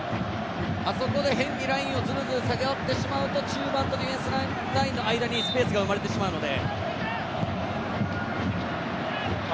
あそこで変にラインをずるずる下げちゃうと中盤のディフェンスラインの間にスペースが生まれてしまうので。